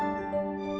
aku mau ke rumah